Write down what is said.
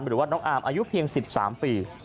หรือว่าน้องอาร์มอายุเพียง๑๓ปี